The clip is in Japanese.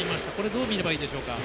どう見ればいいでしょうか？